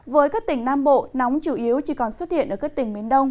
với các tỉnh nam bộ nóng chủ yếu chỉ còn xuất hiện ở các tỉnh miền đông